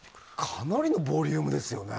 かなりのボリュームですよ。